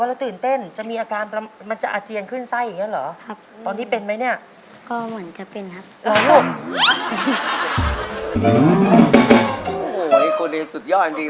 โอโฮนี่คุณเรียนสุดยอดจริงนะครับ